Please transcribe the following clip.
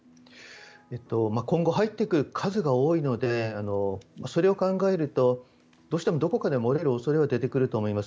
今後入ってくる数が多いのでそれを考えるとどうしてもどこかで漏れる恐れは出てくると思います。